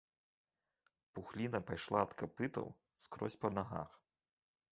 Пухліна пайшла ад капытоў скрозь па нагах.